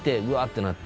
てなって。